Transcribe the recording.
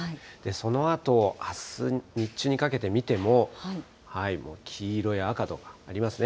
そのあとあす日中にかけて見ても、もう黄色や赤となりますね。